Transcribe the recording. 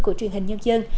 của truyền hình nhân dân